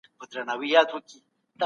موږ ډېر عددونه سره پرتله کوو.